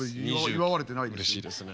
うれしいです。